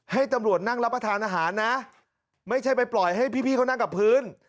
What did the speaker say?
ให้ตำรวจนั่งรับประทานอาหารนะไม่ใช่ไปปล่อยให้พี่เขานั่งกับพื้น